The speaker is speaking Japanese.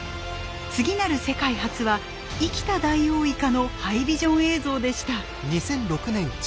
次なる世界初は生きたダイオウイカのハイビジョン映像でした。